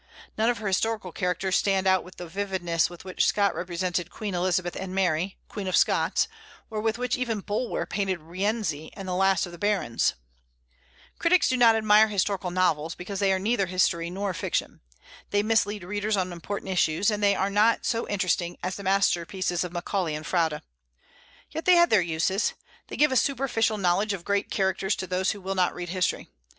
None of her historical characters stand out with the vividness with which Scott represented Queen Elizabeth and Mary, Queen of Scots, or with which even Bulwer painted Rienzi and the last of the Barons. Critics do not admire historical novels, because they are neither history nor fiction. They mislead readers on important issues, and they are not so interesting as the masterpieces of Macaulay and Froude. Yet they have their uses. They give a superficial knowledge of great characters to those who will not read history.